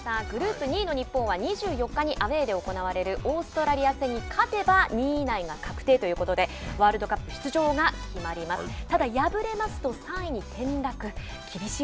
グループ２位の日本は２４日にアウェーで行われるオーストラリア戦に勝てば２位以内が確定ということでワールドカップ出場が決まります。